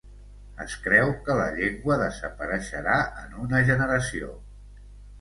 Es creu que la llengua desapareixerà en una generació.